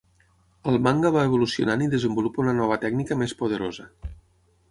Al manga va evolucionant i desenvolupa una nova tècnica més poderosa.